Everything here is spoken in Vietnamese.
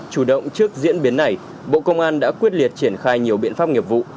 chủ động trước diễn biến này bộ công an đã quyết liệt triển khai nhiều biện pháp nghiệp vụ